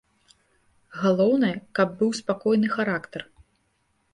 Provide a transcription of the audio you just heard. Галоўнае, каб быў спакойны характар.